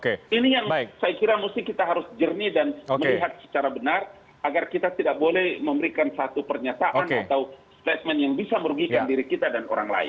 ini yang saya kira kita harus jernih dan melihat secara benar agar kita tidak boleh memberikan satu pernyataan atau statement yang bisa merugikan diri kita dan orang lain